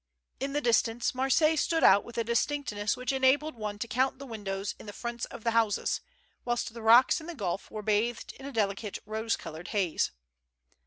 In the distance Marseilles stood out with a distinctness which enabled one to count the windows in the fronts of the houses, whilst the rocks in the gulf were bathed in a delicate rose colored haze.